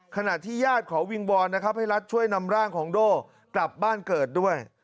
ขณะที่ญาติขอวิงวอนนะครับให้รัฐช่วยนำร่างของโด่กลับบ้านเกิดด้วย